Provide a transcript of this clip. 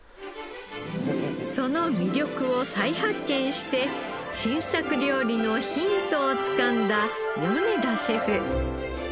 その魅力を再発見して新作料理のヒントをつかんだ米田シェフ。